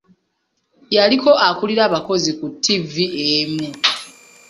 Yaliko akulira abakozi ku ttivvi emu.